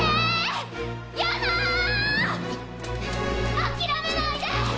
諦めないで！